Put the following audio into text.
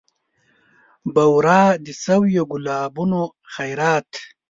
بورا د سویو ګلابونو خیرات